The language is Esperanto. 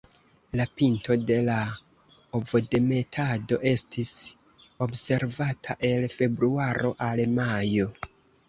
La pinto de la ovodemetado estis observata el februaro al majo.